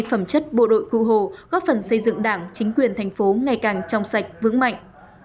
phẩm chất bộ đội cụ hồ góp phần xây dựng đảng chính quyền thành phố ngày càng trong sạch vững mạnh